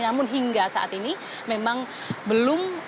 namun hingga saat ini memang belum